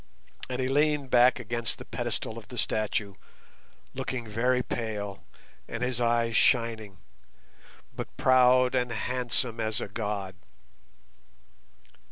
And he leaned back against the pedestal of the statue, looking very pale, and his eyes shining, but proud and handsome as a god.